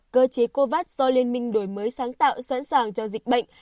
cơ chế covax do liên minh đổi mới sáng tạo sẵn sàng cho dịch bệnh